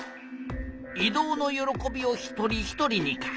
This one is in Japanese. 「移動の喜びを一人ひとりに」か。